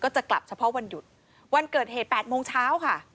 วันเกิดเกิดเหตุ๘โมงเช้าค่ะ